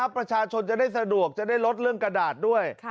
ประชาชนจะได้สะดวกจะได้ลดเรื่องกระดาษด้วย